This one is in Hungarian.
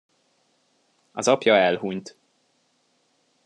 Az apja elhunyt.